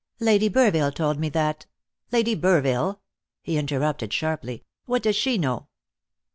"Lady Burville told me that " "Lady Burville!" he interrupted sharply; "what does she know?"